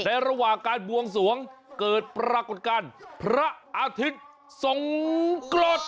ระหว่างการบวงสวงเกิดปรากฏการณ์พระอาทิตย์ทรงกรด